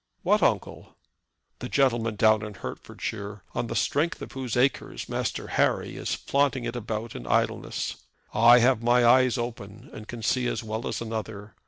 "What uncle?" "The gentleman down in Hertfordshire, on the strength of whose acres Master Harry is flaunting it about in idleness. I have my eyes open and can see as well as another.